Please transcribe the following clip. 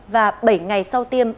và bảy ngày sau tiêm